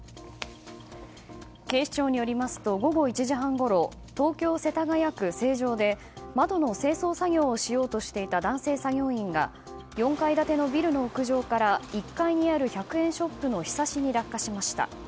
警視庁によりますと午後１時半ごろ東京・世田谷区成城で窓の清掃作業をしようとしていた男性作業員が４階建てのビルの屋上から１階にある１００円ショップのひさしに落下しました。